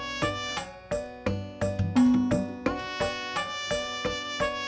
oke aku mau ke sana